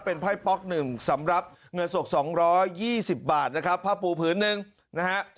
เป็นไพรกัน๑สำหรับเงินสก๒๒๐บาทนะครับผ้าปูผืนนึงนะฮะ